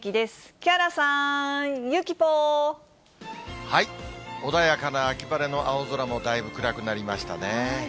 木原さん、穏やかな秋晴れの青空もだいぶ暗くなりましたね。